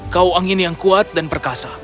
kau angin yang kuat dan perkasa